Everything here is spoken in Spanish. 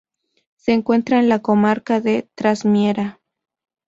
Se encuentra en la comarca de Trasmiera.